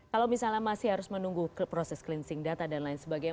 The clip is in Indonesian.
kalau misalnya masih harus menunggu proses cleansing data dan lain sebagainya